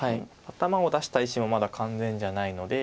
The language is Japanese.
頭を出した石もまだ完全じゃないので。